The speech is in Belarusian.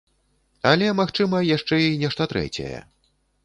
Але магчыма яшчэ і нешта трэцяе.